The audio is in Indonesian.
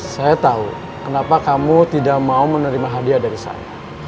saya tahu kenapa kamu tidak mau menerima hadiah dari saya